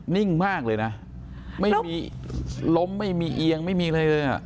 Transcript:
นิ่งมากเลยนะล้มไม่มีเอียงไม่มีอะไรเลย